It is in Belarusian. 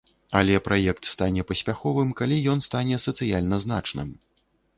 Але праект стане паспяховым, калі ён стане сацыяльна значным.